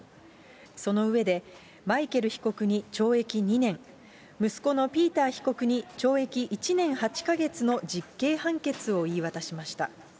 その上で、マイケル被告に懲役２年、息子のピーター被告に懲役１年８か月の実刑判決を言い渡しました。